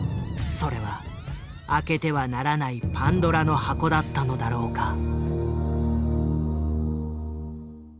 それは開けてはならないパンドラの箱だったのだろうか。